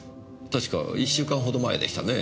確か１週間ほど前でしたね。